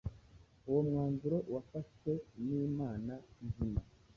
uwo mwanzuro wafashwe n’inama nzima.